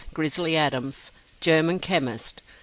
GRIZZLY ADAMS. GERMAN CHEMIST.